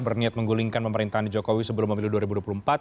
berniat menggulingkan pemerintahan jokowi sebelum memilih dua ribu dua puluh empat